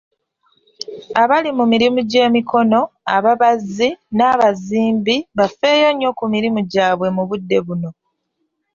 Abali mu mirimu gy'emikono, ababazzi, n'abazimbi, bafeeyo nnyo ku mirimu gyabwe mu budde buno.